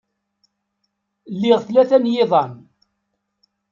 Liɣ tlata n yiḍan.